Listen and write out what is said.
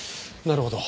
なるほど。